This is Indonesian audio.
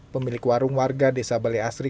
pemilik warung warga desa baleasri